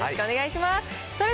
よろしくお願いします。